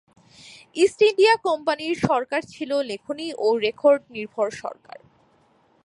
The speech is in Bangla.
ইস্ট ইন্ডিয়া কোম্পানির সরকার ছিল লেখনি ও রেকর্ড নির্ভর সরকার।